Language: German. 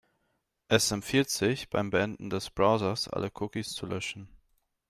Es empfiehlt sich, beim Beenden des Browsers alle Cookies zu löschen.